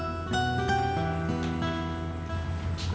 buat bantuin bikin kue